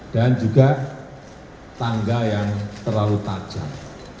dan juga tangga yang terlalu tajam